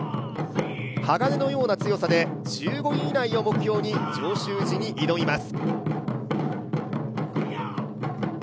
鋼のような強さで１５位以内を目標に上州路に挑みます。